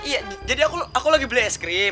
iya jadi aku lagi beli es krim